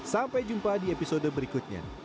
sampai jumpa di episode berikutnya